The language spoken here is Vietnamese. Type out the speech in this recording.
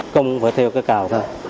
công phải theo cái cào thôi